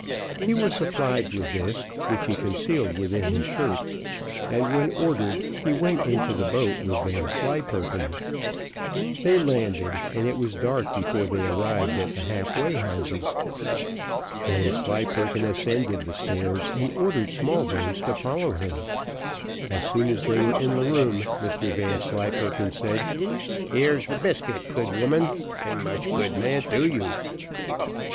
He was supplied with this, which he concealed within his shirt, and when ordered, he went into the boat with Vanslyperken. They landed, and it was dark before they arrived at the half way houses. Vanslyperken ascended the stairs, and ordered Smallbones to follow him. As soon as they were in the room, Mr Vanslyperken said, "Here is the biscuit, good woman, and much good may it do you."